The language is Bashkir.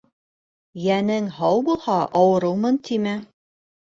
Йәнең һау булһа, ауырыумын тимә